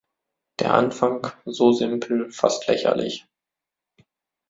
Der Anfang, so simpel, fast lächerlich.